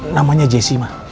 namanya jesse mah